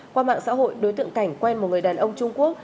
qua mạng xã hội đối tượng cảnh quen một người đàn ông trung quốc